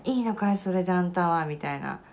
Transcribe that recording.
それであんたは」みたいな。